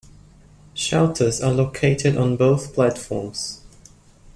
Shelters are located on both platforms.